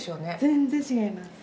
全然違います。